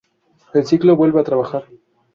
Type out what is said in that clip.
El ciclo vuelve a trabajar.